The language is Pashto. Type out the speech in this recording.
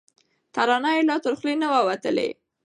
ترانه یې لا تر خوله نه وه وتلې